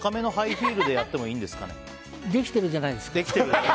できてるじゃないですか。